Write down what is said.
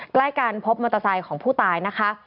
ใกล้กันพบมอเตอร์ไซค์ของผู้ตายนะคะ